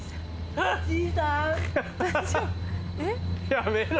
やめろ！